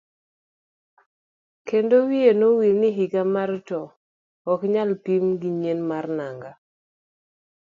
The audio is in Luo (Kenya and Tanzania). Kendo wiye nowil ni higa mar to ok nyal pim gi nyien mar nanga.